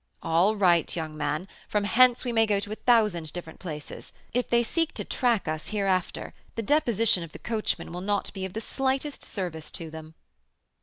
"All right, young man; from hence we may go to a thousand different places. If they seek to track us hereafter, the deposition of the coachman will not be of the slightest service to them."